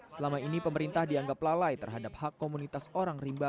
selama ini pemerintah dianggap lalai terhadap hak komunitas orang rimba